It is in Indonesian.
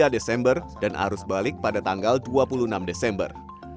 dua puluh desember dan arus balik pada tanggal dua puluh enam desember